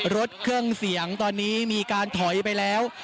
รถเครื่องเสียงตอนนี้มีการถอยไปแล้ว